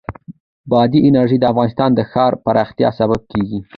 بادي انرژي د افغانستان د ښاري پراختیا سبب کېږي.